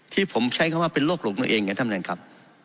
ที่ผมใช้คำว่าเป็นโรคหลงตัวเองไงท่านประธานครับ